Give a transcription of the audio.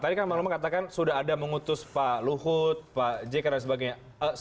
tadi kan bang luma katakan sudah ada mengutus pak luhut pak jk dan sebagainya